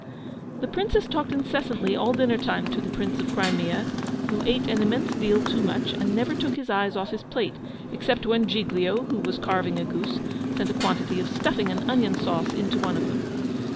] The Princess talked incessantly all dinner time to the Prince of Crimea who ate an immense deal too much, and never took his eyes off his plate, except when Giglio, who was carving a goose, sent a quantity of stuffing and onion sauce into one of them.